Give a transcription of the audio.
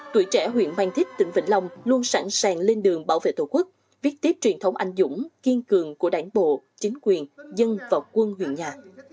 tuổi trẻ huyện mang thít tỉnh vĩnh long luôn sẵn sàng lên đường bảo vệ tổ quốc viết tiếp truyền thống anh dũng kiên cường của đảng bộ chính quyền dân và quân huyện nhà